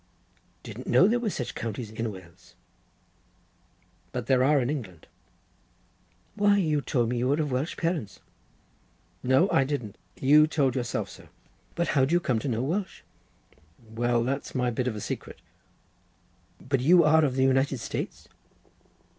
"Didn't know there were such counties in Wales." "But there are in England." "Why, you told me you were of Welsh parents." "No, I didn't. You told yourself so." "But how did you come to know Welsh?" "Why, that's my bit of a secret." "But you are of the United States?"